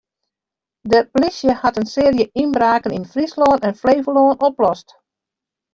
De plysje hat in searje ynbraken yn Fryslân en Flevolân oplost.